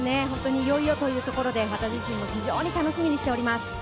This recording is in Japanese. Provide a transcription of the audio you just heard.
いよいよというところで私も楽しみにしております。